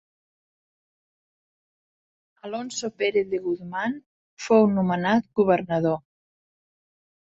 Alonso Pérez de Guzmán fou nomenat governador.